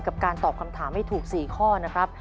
การตอบคำถามให้ถูก๔ข้อนะครับ